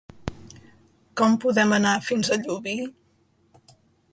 Com podem anar fins a Llubí?